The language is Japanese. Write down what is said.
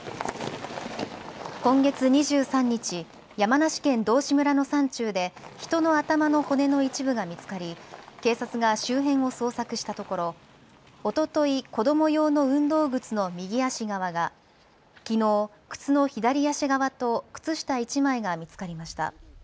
今月２３日、山梨県道志村の山中で人の頭の骨の一部が見つかり警察が周辺を捜索したところおととい、子ども用の運動靴の右足側が、きのう靴の左足側と靴下１枚が見つかりました。